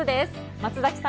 松崎さん